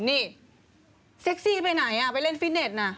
นี่แสกซี่ไปไหนอะไปเรื่องฟิตเน็ตณ่ะ